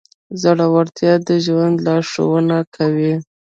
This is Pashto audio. زړهورتیا د ژوند لارښوونه کوي.